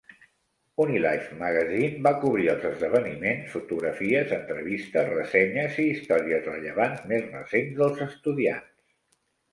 "UniLife Magazine" va cobrir els esdeveniments, fotografies, entrevistes, ressenyes i històries rellevants més recents dels estudiants.